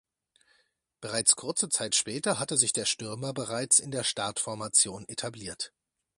Bereits kurze Zeit später hatte sich der Stürmer bereits in der Startformation etabliert.